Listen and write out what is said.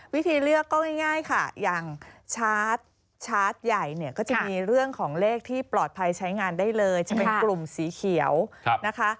มีเรื่องของเลขที่ปลอดภัยใช้งานได้เลยจะเป็นกลุ่มสีเขียวนะคะ